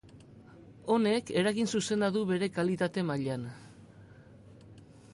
Honek, eragin zuzena du bere kalitate mailan.